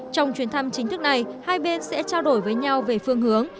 trong chuyến thăm chính thức này hai bên sẽ trao đổi với nhau về phương hướng